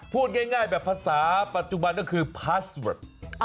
พูดง่ายแบบภาษาปัจจุบันก็คือพาสเวิร์ด